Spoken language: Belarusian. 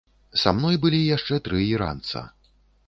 Са мной былі яшчэ тры іранца.